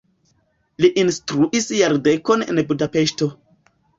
Li instruis jardekon en Budapeŝto.